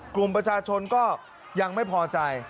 กลุ่มประชาชนก็ยังไม่พอใจ